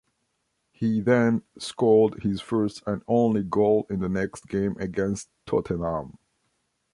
He then scored his first and only goal in the next game against Tottenham.